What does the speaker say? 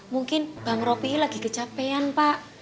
mungkin bang ropi lagi kecapean pak